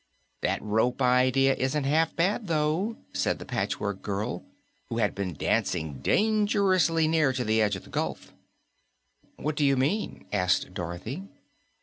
"That rope idea isn't half bad, though," said the Patchwork Girl, who had been dancing dangerously near to the edge of the gulf. "What do you mean?" asked Dorothy.